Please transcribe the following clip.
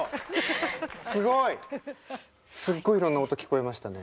すっごいいろんな音聞こえましたね。